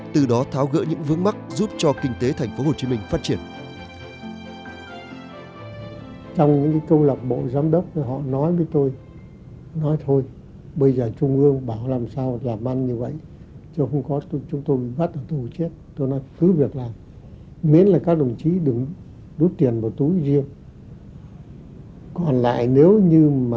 từ đó tháo gỡ những vướng mắt giúp cho kinh tế tp hcm phát triển